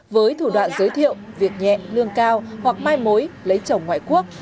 với thủ đoạn giới thiệu việc nhẹ lương cao hoặc mai mối lấy chồng ngoại quốc